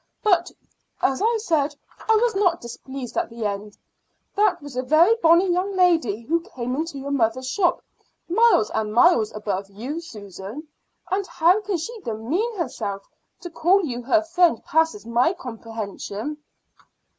But, as I said, I was not displeased at the end. That was a very bonny young lady who came into your mother's shop miles and miles above you, Susan. And how she can demean herself to call you her friend passes my comprehension."